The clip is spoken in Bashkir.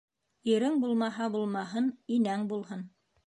Ирең булмаһа булмаһын, инәң булһын.